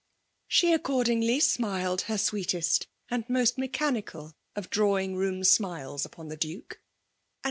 She accordingly smiled her sweetest and most mechanical of drawing room smiles upon the Duke^ and.